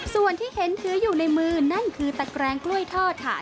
ส่วนที่เห็นถืออยู่ในมือนั่นคือตะแกรงกล้วยทอดค่ะ